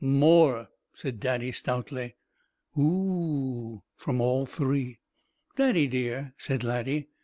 "More," said Daddy, stoutly. "Oo!" from all three. "Daddy, dear," said Laddie.